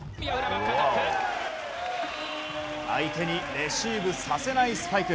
相手にレシーブさせないスパイク。